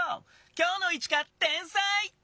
今日のイチカ天才！